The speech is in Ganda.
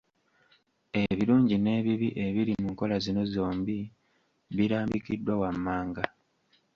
Ebirungi n’ebibi ebiri mu nkola zino zombi birambikiddwa wammanga.